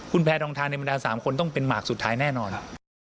คุณแพทองทานในบรรดา๓คนต้องเป็นหมากสุดท้ายแน่นอน